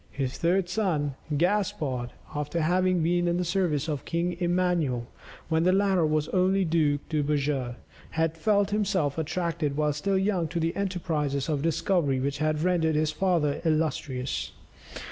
His third son, Gaspard, after having been in the service of King Emmanuel, when the latter was only Duke de Beja had felt himself attracted while still young to the enterprises of discovery which had rendered his father illustrious.